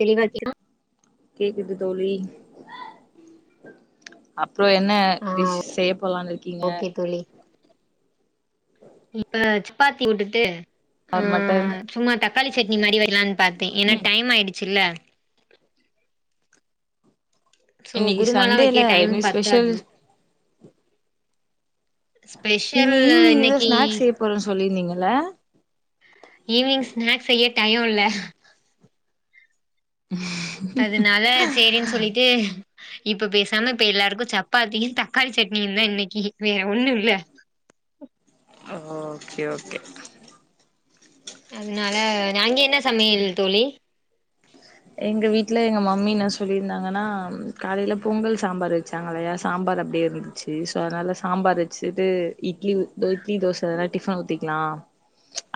தெளிவாச்ச கே க்குது தோழி அப்புறம் என்ன டிஷ் செய்ய போலாம்னு இருக்கீங்க ஓகே தோழி இப்ப பாத்தி உட்டுட்டு ஆர் மட்டன் தக்காளி சட்னி மாரி வரலான் பார்த்தேன் ஏன்னா ம் டைம் ஆயிடுச்சு இல்ல சோ இன்னைக்கு குருமாலா சண்டே இல்ல வைக்க டைம் எனி ஸ்பெஷல் பத்தாது ஸ்பெஷல் நீங்க ஈவினிங் ஏதோ இன்னைக்கு ஸ்நாக்ஸ் செய்ய போறன்னனு சொல்லியிருந்தீங்க ல்ல ஈவினிங் ஸ்நாக்ஸ் செய்ய டைய இல்ல அதனால சேரின்னு சொல்லிட்டு இப்ப பேசாம இப்ப எல்லாருக்கும் சப்பாத்தியும் தக்காளி சட்னியும் தான் இன்னைக்கு வேற ஒண்ணு இல்ல ஒஒ ஓகே ஓகே அதனால நாங்க என்ன சமையல் தோழி எங்க வீட்ல எங்க மம்மி என்ன சொல்லிருந்தாங்கன்னா காலையில பொங்கல் சாம்பார் வச்சாங்க இல்லையா சாம்பார் அப்படியே இருந்துச்சு சோ அதனால சாம்பார் வச்சுட்டு இட்லி இட்லி தோசைல்லா டிஃபன் ஊத்திக்கலாம்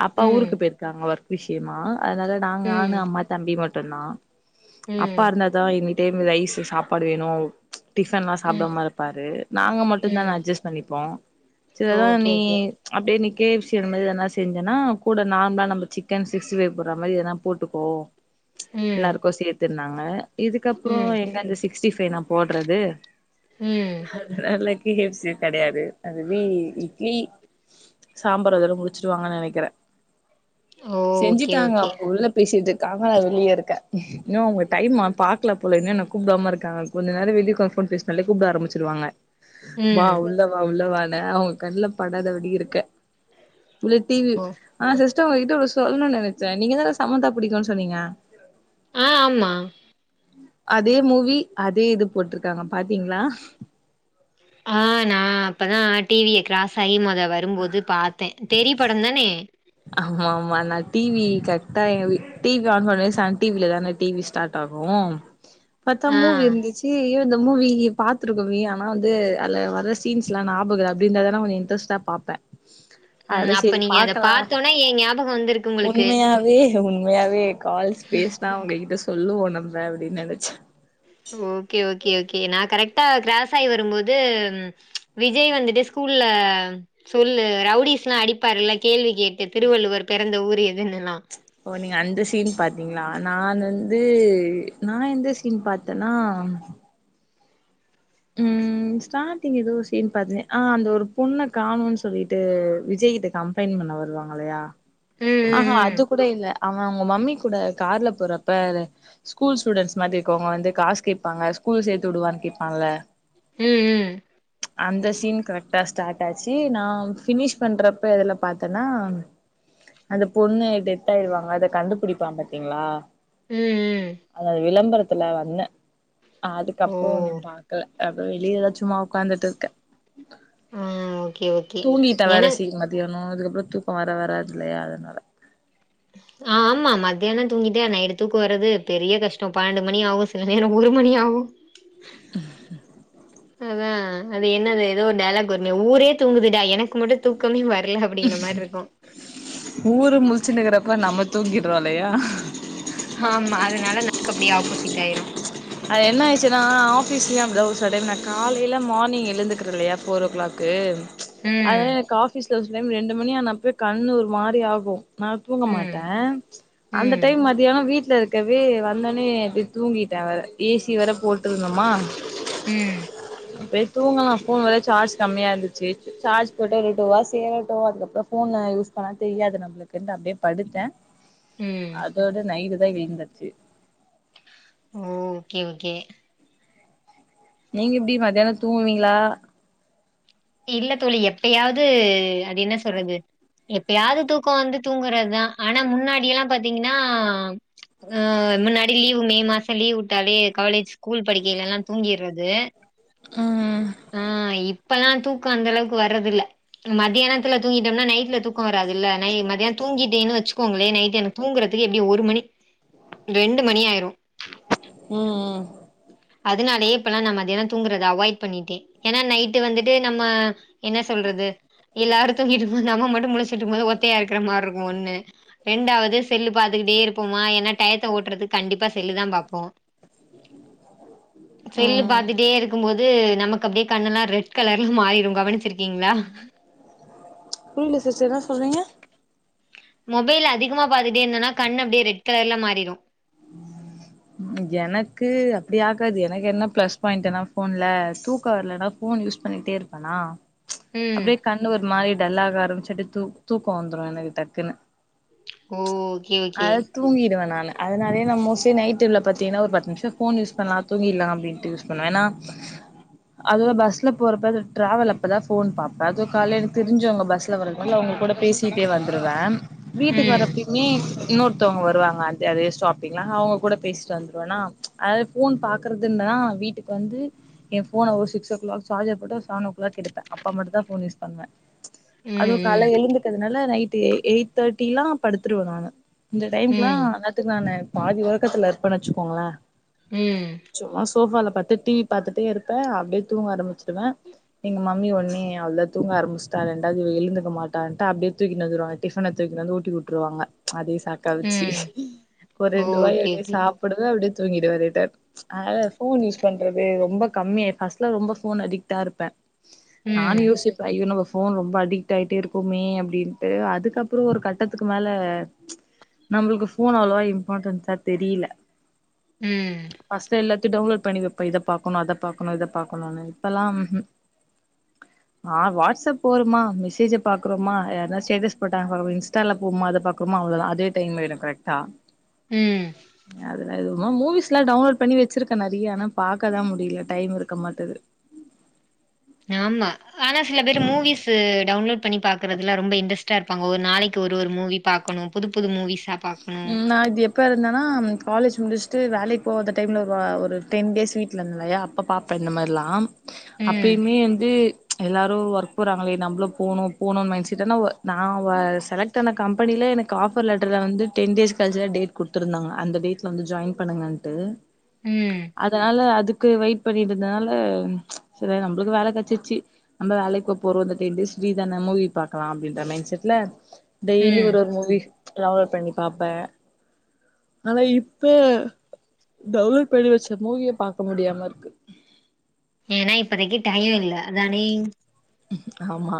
அப்பா ம் ஊருக்கு போயிருக்காங்க ஓர்க் விஷயமா அதனால நாங்க நானு ம் அம்மா தம்பி மட்டும் நா அப்பா ம் இருந்தாதான் இன்னிக் ரைஸ் சாப்பாடு வேணும் டிபன் எல்லாம் ம் சாப்பிடாம இருப்பாரு நாங்க மட்டும் தான ம் அட்ஜஸ்ட் பண்ணிப்போம் சிலதான் ஓகே நீ ஓகே அப்படியே கேப்சி இத எத மாதிரி செஞ்சன்னா கூட நார்மலா நம்ம சிக்கன் சிக்ஸ்டி பைவ் போடுற மாதிரி எதனா போட்டுக்கோ ம் எல்லாருக்கு சேத் தின்னங்க இதுக்கப்புறம் ம் எங்க அந்த சிக்ஸ்டி ஃபைவ் நா போட்றது ம் [unintelligible] [unintelligible] கெடையாது அதுவி இட்லி சாம்பார் அதெல்லா முடிச்சிடுவாங்கன்னு நெனக்கிறே ஓகே செஞ்சுட்டாங்க ஓகே அவங் உள்ள பேசி [unintelligible] நா வெளியருக்க இன்னு அவுங்க டைம பாக்ல போல இன்னு என்ன கூப்டாம ருக்காங் கொஞ்சு நேர வெளிய உக்காந் ஃபோன் பேஸ்னாலே கூப்டாரம்பிச்சிருவாங்க வா ம் உள்ள வா உள்ள வா னே அவுங்கண்ணுல படாத படி இருக்க உள்ள டிவி ஓ அ [unintelligible] சிஸ்ட உங்ககிட்ட ஒன் சொல்லோன் நெனச்சே நீங்கதா சமந்தா புடிக்குன் சொன்னீங்க அ ஆமா அதே மூவி அதே இது போட்ருக்காங்க பாத்தீங்ளா ஆ நா அப்பதா டிவிய க்ராஸ் ஆயி [unintelligible] வரும்போது பாத்தே தெறி படந் தானே ஆமா ஆமா நா டிவி கர்டா எங்க வீ டிவி ஆன் பண்ண சன் டிவில தான டிவி ஸ்டாட் ஆகு பாத்தா ஆ மூவி இருந்துச்சி ஏ இந்த மூவி பாத்துருக்கோமே ஆனா வந்து அதுல வர சீன்ஸ்லா ஞாபக அப்பிந்தா நா கொஞ் இன்டரெஸ்டா பாப்பே ம் அதனால அப்ப சேரி நீங்க அத பாக்கலா பாத்தோன தா ஏ ஞாபகோ வந்திருக்கு உங்களுக்கு உண்மையாவே உண்மையாவே கால்ஸ் பேஸ்னா அவுங்க இன்ட்ரெஸ் சொல்லுவோ நம்ப அப்டின் நெனச் ஓகே ஓகே ஓகே நா கரெக்டா க்ராஸ் ஆயி வரும்போது ம் ச்ச் விஜய் வந்துட்டு ஸ்கூல்ல சொல்லு ரவுடிஸ்ல்லா அடிப்பாருல்ல கேள்வி கேட்டு திருவள்ளுவர் பெறந்த ஊர் எ ஓ நீங்க அந்த சீன் பாத்தீங்ளா நான் வந்து நா எந்த சீன் பாத்தன்னா ம் ஸ்டாட்டிங் எதோ ஒரு சீன் பாத்தே அ அந்த ஒரு பொண்ண காணோன் சொல்லிட்டு விஜய் கிட்ட கம்ப்லைன் பண்ண வருவாங்கல்லையா ம் அஹா ம் அது கூட இல்ல அவ உங்க மம்மி கூட கார்ல போறப்ப ஸ்கூல் ஸ்டூடெண்ட்ஸ் மாரிருக்கவங்க வந்து காசு கேப்பாங்க ஸ்கூல் சேத்து விடுவான் கேப்பால்ல ம் ம் அந்த சீன் கரெக்டா ஸ்டாட் ஆச்சு நா ஃபினிஷ் பண்றப்ப எதுல பாத்தனா அந்த பொண்ணு டெத் ஆய்டுவாங்க அத கண்டுபுடிப்பா பாத்தீங்ளா ம் ம் ம் அதது விளம்பர த்துல வந்த ஓ அதுக்கப்றோ இன்னு பா அப்புற வெளியதா சும்மா உக்காந்துட்ருக்க ம் தூங்கீட்ட வேர சீக் மதியானோ அதுக்கப் அப்றோ தூக்கோ வேற வராதில்லையா அதனால ஆ அமா மத்தியான தூங்கிட்டா நைட்டு தூக்கொ வரது பெரிய கஷ்டொ பன்னெண்டு மணி ஆவு சில நேரொ ஒரு மணி ஆவு அதா அது என்னது ஏதோ ஒரு டைலாக் வருமே ஊரே தூங்குதுடா எனக்கு மட்டு தூக்கமே வ ர்ல அப்டீன மார் ருக்கு ஊரு முலிச்சின் இருக்குறப்பொ நம்ம தூங்கிட்றோ இல்லையா ஆமா அதனால நாகு அப்டி ஆப்போசிட் ஆயிரு அது என்ன ஆயிச்சுன்னா ஆஃபீஸ்லயு அப்டிதா ஒரு சில டைம் நா காலையில மார்னிங் எழுந்துக்குரே இல்லையா ஃபோர் ஓ க்ளாக்கு அது ம் எனக்கு ஆஃபீஸ்ல ரெண் ரெண்டு மணி ஆனப்பொவெ கண்ணு ஒரு மாரி ஆகு நா தூங்க ம் மாட்டே அந்த ம் டைம் மதியானொ வீட்ல இரு க்கவே வந்தொனே அப்டி தூங்கிட்டே வேற ஏசி வேற போட்ருந்தொமா ம் போய் தூங்கலா ஃபோன் வெற சார்ஜ் கம்மியா இருந்துச்சு சார்ஜ் போட்டு விட்ட வா சேரட்டோ அதுக்கப்புறொ ஃபோனு யூஸ் பண்ண தெரியாது நம்ளுக்குன்ட்டு அப்டியே படுத்தே ம் அதோட நைவ் டா விழுந்தச்சு ஓ ஓகே ஓகே நீங்க இப்டி மத்தியானோ தூங்குவீங்களா இல்ல தோழி எப்பயாது அது என்ன சொல்றது எப்பயாவது தூக்கொ வந்து தூங்குறதுதா ஆனா முன்னாடில்லா பாத்தீங்கன்னா அ முன்னாடி லீவு மே மாச லீவ் விட்டாலே காலேஜ் ஸ்கூல் படிக்கைல எல்லா தூங்கிறது ம் இப்பல்லா தூக்கொ அந்த அளவுக்கு வர்றதுல்ல மதியானத்துல தூங்கிட்டோம்னா நைட்ல தூக்க வராதுல்ல நை மத்தியான தூங்கிட்டேன்னு வச்சுக்கோங்களே நைட்டு எனக்கு தூங்குறதுக்கு எப்டி ஒரு மணி ரெண்டு மணி ஆயிரு ம் அதுனாலயே இப்பல்லா நா மதியனோ தூங்குறத அவாய்ட் பண்ணிட்டே ஏனா நைட்டு வந்துட்டு நம்ம என்ன சொல்றது எல்லாரு தூங்கிட்டு போது நாம மட்டு முலிசிடுருக்கும் போது ஒத்தையா இருக்குற மாருக்கு ஒண்ணு ரெண்டாவது செல்லு பாத்துக்குட்டே இருப்போமா ஏனா டயத்த ஓட்றதுக்கு கண்டிப்பா செல்லுதா பாப்போ செல்லு ம் பாத்துட்டே இருக்கும் போ து நமக்கு அப்டியே கண்ணெல்லா ரெட் கலர்ல மாறிடு கவனிச்சிருக்கீங்களா புரில சிஸ்டர் என்ன சொல்றீங்க மொபைல் அதிகமா பாத்துட்டே இருந்தன்னா கண் அப்டியே ரெட் கலர்ல மாறிடு எனக்கு அப்டியாகாது எனக்கு என்ன பிளஸ் பாயிண்டுனா ஃபோன்ல தூக்க வர்லனா ஃபோன் யூஸ் பண்ணிட்டே இருப்பேனா ம் அப்டியே கண்ணு ஒரு மாரி டல்லா வரு செட்டி தூ தூக்கோ வந்துரோ எனக்கு டக்குன்னு ஓகே ஓகே அது தூங்கிருவே நானு அதனாலயே நா மோஸி நை ட்டுல பாத்தீங்கன்னா ஒரு பத்து நிமிஷொ ஃபோன் யூஸ் பண்லா தூங்கிற்லா அப்டின்ட்டு யூஸ் பண்ணுவே ஏனா அதோ பஸ்ல போறப்ப அது டிராவல் அப்பதா ஃபோன் பாப்பே அது கால்ல எனக்கு தெரிஞ்சவங்க பஸ்ல வரதுனாலே அவங்க கூட பேசிட்டே வந்துருவே வீட்டுக்கு ம் வரப்பயுமே இன்னொருத்தவங்க வருவாங்க அத் அதே ஸ்டாப்பிங்ல அவங்க கூட பேசிட்டு வந்துருவேன்னா அது ஃபோன் பாக்குறதுன்னா வீட்டுக்கு வந்து எ ஃபோன ஒரு சிக்ஸ் ஓ கிளாக் சார்ஜர் போட்டு செவன் ஓ கிளாக் எடுப்பே அப்ப மட்டுதா ஃபோன் யூஸ் பண்ணுவே ம் அதுவு கால்ல ம் எழுந்துக்கதுனால நைட் எ எயிட் தேர்ட்டில்லா படுத்துடுவே நானு இந்த டைம்குலா ம் இன்னேரதுக்கு நானு பாதி ஒறக்கத்துல இரு ப்பேன் வெச்சுக்கோங்களே ம் சோஃபால படுத்து டி வி பாத்துட்டே இருப்ப அப்டியே தூங்க ஆரம்பிச்சுருவ எங்க மம்மி ஒடனே அவ்ளத தூங்க ஆரம்பச்சிட்டா ரெண்டாவுது இவ எழுந்துக்க மாட்டான்ட்டு அப்டியே தூக்கினு வந்துருவாங்க டிஃபன தூக்கினு வந்து ஊட்டி உட்ருவாங்க அதே சாக்கா வச்சு ம் ஒரு ரண்டு ஓகே வாயோடயெ ஓகே அதா அப்டியே தூங்கிடுவ ரிட்டன் அதனால ஃபோன் யூஸ் பண்றது ரொம்ப கம்மி ஃபஸ்ட்லா ரொம்ப ஃபோன் அடிக்டா இருப்ப ம் நானு யோசிப்ப ஐயோ நம்ம ஃபோ ஃபோன் ரொம்ப அடிக்ட் ஆய்ட்டே இருக்கோமே அப்டின்ட்டு அதுக்கப்புற ஒரு கட்டத்துக்கு மேல நம்முளுக்கு ஃபோன் அவ்ளோவா இம்பார்ட்டன்ஸா தெரில ம் தயு டவுன்லோட் பண்ணி வப்ப இத பாக்கனு அத பாக்கனு இத பாக்கனுனு இப்பெல்லா ம் ஹூ வா வாட்ஸ்அப் போறமா மெசேஜ பாக்கறொமா யார்னா ஸ்டேட்டஸ் போட்டங்க இன்ஸ்டால போவோமா அத பாக்றோமா அவ்ளோதா அதே டைம் ஆய்ரு கரெக்டா ம் அதுல எதுமா மூவிஸ்ல்லா டவுன்லோட் பண்ணி வச்சிருக்க நறையா ஆனா பாக்கதா முடில டைம் இருக்க மாட்டுது ஆம்மா ஆனா சில பேர் மூவிஸு டவுன்லோட் பண்ணி பாக்கறதுல ரொம்ப இன்ட்ரெஸ்டா இருப்பாங்க ஒரு நாளைக்கு ஒரு ஒரு மூவி பாக்கணு புது புது மூவிஸ் ம் நா இது எப்ப இருந்தனா காலேஜ் முடிச்சு ட்டு வேலைக்கு போகாத டைம்ல ஒரு ஒரு டென் டேஸ் வீட்டுல இருந்த இல்லையா அப்ப பாப்பே இந்த மாரிலா ம் அப்பயுமே வந்து எல்லாரு ஒர்க் போறாங்களே நம்முளு போணு போணுன் மைண்ட் செட் ஆனா நா வ செலக்ட் ஆன கம்பெனில எனக்கு ஆஃபர் லெட்டர்ல வந்து டென் டேஸ் கழிச்சு தா டேட் குடுத்துருந்தாங்க அந்த டேட்ல வந்து ஜாயின் பண்ணுங்கன் ட்டு ம் அதனால அதுக்கு வெயிட் பண்ணிட்ருந்தனால சரியா நம்புளுக்கு வேல கெடச்சிருச்சு நம்ம வேலைக்கு போபோறோ இந்த டென் டேஸ் லீவ்தான மூவி பாக்கலா அப்படின்ற மைண்ட் செட்ல டெய்லி ம் ஒரு ஒரு மூவி டிராவல் பண்ணி பாப்ப ஆனா இப்ப டவுன்லோடு பண்ணி வச்ச மூவிய பாக்க முடியாம இருக்கு ஏன்னா இப்பதைக்கு டய இல்ல அதானே ஆமா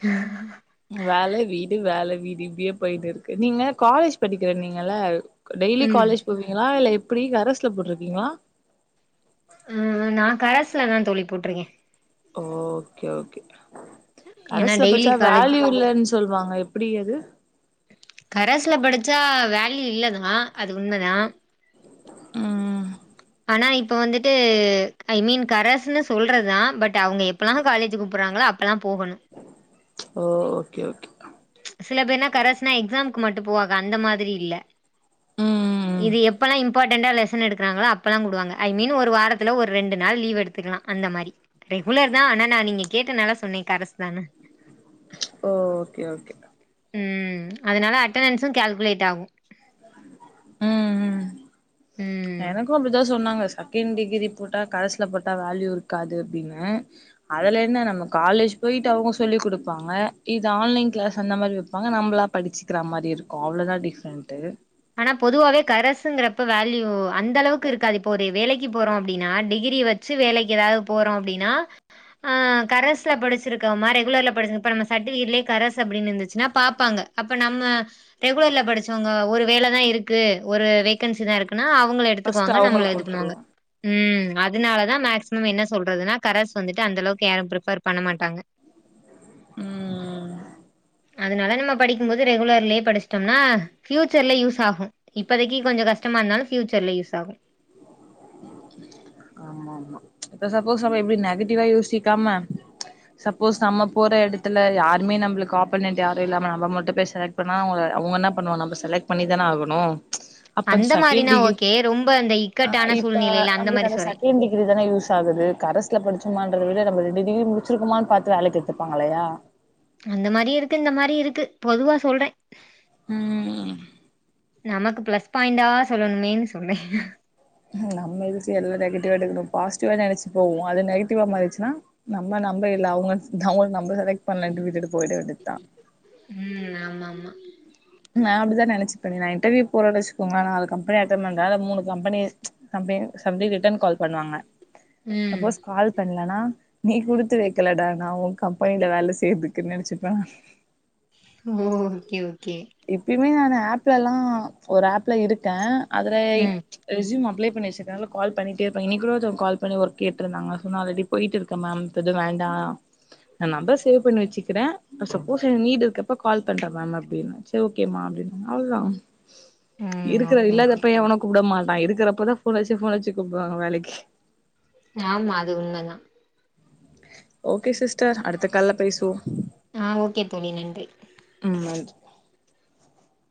ஏ [unintelligible] வேலை வீடு வேலை வீடு இப்பிடியே போயிட்டு இருக்கு நீங்க காலேஜ் படிக்கிறனிங்கல டெய்லி ம் காலேஜ் போவிங்களா இல்ல எப்பிடி கரஸ்ல போட்ருக்கிங்ளா ம் நா கரஸ்லதா தோழி போட்ருக்கே ஓகே ஓகே ஏன்னா கரஸ்ல டெய்லி படிச்சா காலேஜ் வேல்யூ இல்லனு சொ சொல்வாங்க எப்புடி அது கரஸ்ல படிச்சா வேல்யூ இல்லதா அது உண்மதா ம் ஆனா இப்ப வந்துட்டு ஐ மீன் கரஸ்னு சொல்றதுதா பட் அவங்க எப்பல்லா காலேஜ் கூப்புடறாங்களோ அப்பல்லா போகணு ஓ ஓகே ஓகே சில பேர்னா கரஸ்னா எக்ஸாம்க்கு மட்டு போவாங்க அந்த மாரி இல்ல ம் இது எப்பல்லா இம்பார்ட்டன்ண்டா லெசன் எடுக்கராங்களோ அப்பெல்லாம் கொ கூப்டுவாங்க ஐ மீன் ஒரு வாரத்துல ஒரு ரெண்டு நாள் லீவ் எடுத்துக்கலாம் அந்த மாதிரி ரெகுலர் தான் ஆனா நான் நீங்க கேட்ட நல்லா சொன்னே கரசு தான ஓ ஓகே ஓகே ம் அதனால அட்டணன்ஸும் கல்குலேட் ஆகும் ம் ம் எனக்கூ அப்டிதா சொன்னாங்க செக்கெண்ட் டிகிரி போட்டா கரஸ்ல போட்டா வேல்யூ இருக்காது அப்படின்னு அதெல என்ன நம்ம காலேஜ் போயிட்டு அவுங்க சொல்லிக் கொடுப்பாங்க இது ஆன்லைன் கிளாஸ் அந்த மாரி வைப்பாங்க நம்பளா படிச்சுக்கிற மாரி இருக்கும் அவ்ளோதான் டிஃப்ரெண்ட்டு ஆனா பொதுவாவே கரசுங்கறப்ப வேல்யூ அந்த அளவுக்கு இருக்காது இப்போ ஒரு வேலைக்கு போறோ அப்டீன்னா டிகிரிய வச்சு வேலைக்கு ஏதாவது போறோ அப்டீன்னா கரஸ்ல படிச்சிருக்கவமா ரெகுலர்ல படிச்சப்ப நம்ம சர்டிபிகேட்லயே கரஸ் அப்படின்னு இருந்துச்சுன்னா பாப்பாங்க அப்ப நம்ம ரெகுலர்ல படிச்சவங்க ஒரு வேல தா இருக்கு ஒரு வேக்கன்சி தா இருக்குன்னா அவங்கள ஃபர்ஸ்ட் எடுத்துக்குவாங்க நம்மள அவங்களுக்கு இது பண்ணுவாங்க. குடுத்துருவோ உம் அதனாலதான் மக்ஸ் ம் என்ன சொல்றதுன்னா கரஸ் வந்துட்டு அந்தளவுக்கு யாரும் ப்ரிஃபர் பண்ண மாட்டாங்க ம் அதனால நம்ம படிக்கும்போது ரெகுலர்லயே படிச்சிட்டோம்னா ஃபியூச்சர்ல யூஸ் ஆகூ இப்பதைக்கு கொஞ்சோ கஷ்டமா இருந்தாலு ஃபியூச்சர்ல யூஸ் ஆகும் ஆமா ஆமா இப்ப சப்போஸ் நம்ம எப்டி நெகட்டிவா யோசிக்காம சப்போஸ் நம்ப போற எடத்துல யாருமே நம்பளுக்கு ஆப்போனெண்ட் யாரும் இல்லாம நம்ப மட்டும் போய் செலக்ட் பண்ணா அவங்க என்ன பண்ணுவா நம்ப செலக்ட் பண்ணிதானே ஆகணு அப்ப அந்த செகண்ட் மாரினா ஓகே ரொம்ப அந்த இக்கட்டான சூழ்நிலை நம்ளுக்கு அந்த செகண்ட் டிகிரி தான யூஸ் ஆகுது கரஸ்ல படிச்சமான்றத விட நம்ம ரெண்டு டிகிரி முடிச்சிருக்குமான்னு பாத்து வேலைக்கு எட்த்துப்பாங்க இல்லையா அந்த மாரியு இருக்கு இந்த மாரியு இருக்கு பொதுவா சொல்றே ம் நமக்கு பிளஸ் பாயிண்டா சொல்லணுமேன்னு சொன்னே நம்ம [unintelligible] நெகட்டிவா எடுக்கணு பாசிட்டிவா நெனச்சு போவோ அது நெகட்டிவா மாறிச்சுன்னா நம்ம நம்ப இல்லை அவுங்க [unintelligible] செலக்ட் பண்ண விட்டுட்டு போயிட வேண்டியதுதா ம் ஆமா ஆமா நா அப்டிதான் நெனச்சுட்டுருந்தே நா இன்டர்வியூ போறே வெச்சுக்கோங்க நாலு கம்பெனி அடண் பண்ணறே அதுல மூணு கம்பெனி [unintelligible] சம்டைம்ஸ் ரிட்டன் கால் பண்ணுவாங்க ம் சப்போஸ் கால் பண்லனா நீ குடுத்து வெக்கலடா நான் உன் கம்பெனில வேல செய்றதுக்குன்னு நெனச்சிப்பேன ஓ ஓகே ஓகே இப்பயுமே நானு ஆப்லலா ஒரு ஆப்ல இருக்கே அதல ம் ரெஸ்யூம் [unintelligible] கால் பண்ணிட்டே இருப்பாங்க. இன்னைக்கூட ஒர்த்தவங்க கால் பண்ணி வொர்க் கேட்ருந்தாங்க.. நான் சொன்னேன் ஆல்ரெடி போய்ட்ருக்கு மேம் இப்போ எதும் வேண்டா. நான் நம்பர் சேவ் பண்ணி வச்சுக்கறே சப்போஸ் எனக்கு நீட் இருக்கப்ப கால் பண்றே மேம் அப்டின்னியாச்சு செரி ஓகேமா அப்டின்னாங்க அவ்ளதான் ம் இருக்கிறது ஓகே ஓகே இல்லாதப்ப எவனும் கூப்ட மாட் அ இருக்குறப்பதா போன் அட்ச்சி போன் அட்ச்சி கூப்டுவாங்க வேலைக்கி ஆமா அது உண்மதா ஓக்கே சிஸ்டர் அடுத்த கால்ல பேசுவோ ஆ ஓகே தோழி நன்றி [unintelligible]